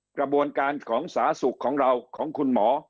กระบวนการของสาธารณสุขของเราของคุณหมอ